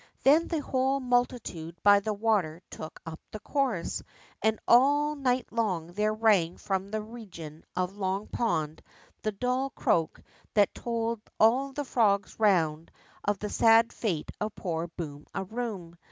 Then the whole multitude by the water took up the chorus, and all night long there rang from, the region of Long Pond the dull croak that told all the frogs around of the sad fate of poor Boom a Room.